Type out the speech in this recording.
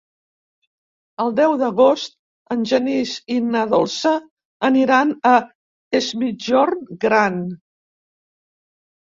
El deu d'agost en Genís i na Dolça aniran a Es Migjorn Gran.